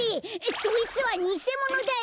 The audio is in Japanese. そいつはにせものだよ！